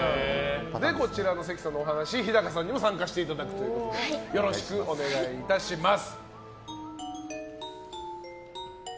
こちらの関さんのお話日高さんにも参加していただくということでよろしくお願いいたします。